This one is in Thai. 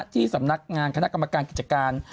ที่สำนักงานคณะกรรมการกิจการ